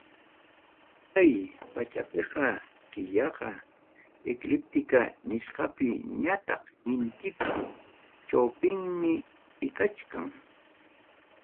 Chay pachapiqa, killaqa eclíptica nisqapi ñataq intipi chawpinpi ikachkan.